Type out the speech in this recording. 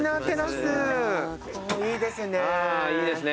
いいですね。